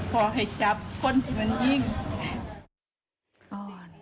พอให้จับคนที่มนิ่ง